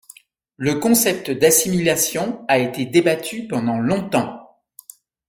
Le concept d'assimilation a été débattu pendant longtemps.